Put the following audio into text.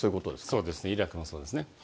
そうです、イラクもそうですね。